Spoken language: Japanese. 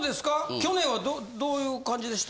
去年はどういう感じでした？